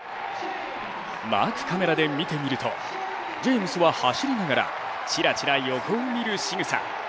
マークカメラで見てみるとジェームスは走りながらちらちら横を見るしぐさ。